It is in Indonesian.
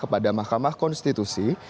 kepada mahkamah konstitusi